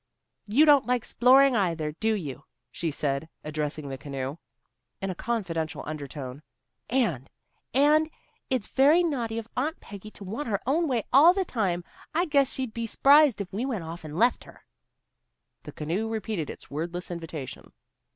"You don't like 'sploring either, do you?" she said, addressing the canoe in a confidential undertone. "And and it's very naughty of Aunt Peggy to want her own way all the time. I guess she'd be s'prised if we went off and left her." The canoe repeated its wordless invitation.